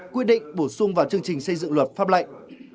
quy định bổ sung vào chương trình xây dựng luật pháp lệnh